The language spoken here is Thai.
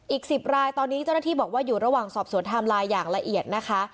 อีก๑๐รายตอนนี้เจ้าหน้าที่บอกว่าอยู่ระหว่างสอบสวนไทม์ไลน์อย่างละเอียดนะคะ